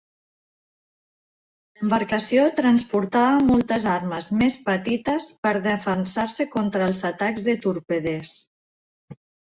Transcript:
L'embarcació transportava moltes armes més petites per defensar-se contra els atacs de torpeders.